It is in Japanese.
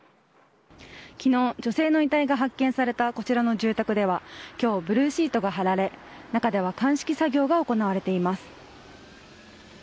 昨日、女性の遺体が発見されたこちらの住宅では今日、ブルーシートが張られ中では鑑識作業が行われています。